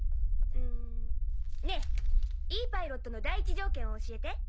んねぇいいパイロットの第１条件を教えて。